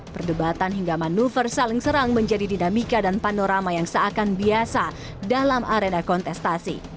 perdebatan hingga manuver saling serang menjadi dinamika dan panorama yang seakan biasa dalam arena kontestasi